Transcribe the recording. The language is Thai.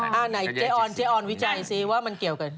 ไหนเจออ่อนวิจัยซิว่ามันเกี่ยวกัน